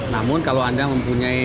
namun kalau anda mempunyai